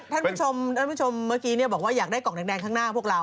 ถ้านบางทุกชมเมื่อกี้บอกว่าอยากได้กล่องแดงข้างหน้าของพวกเรา